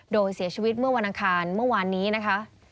โดยเสียชีวิตเมื่อวันอังคารเมื่อวานนี้นะคะ